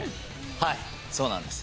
はいそうなんです。